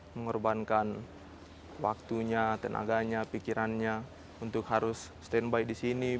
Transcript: mengorbankan waktunya tenaganya pikirannya untuk harus standby di sini